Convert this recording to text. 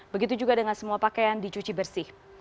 begitu juga dengan semua pakaian dicuci bersih